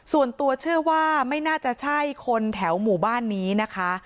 ส่วนตัวเชื่อว่าไม่น่าจะใช่คนแถวหมู่บ้านนี้นะคะ